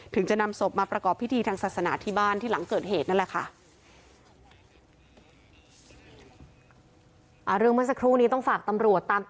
จะนำศพมาประกอบพิธีทางศาสนาที่บ้านที่หลังเกิดเหตุนั่นแหละค่ะ